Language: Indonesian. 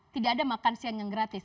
tidak ada makan siang yang gratis